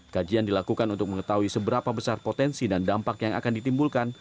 kajian dilakukan untuk mengetahui seberapa besar potensi dan dampak yang akan ditimbulkan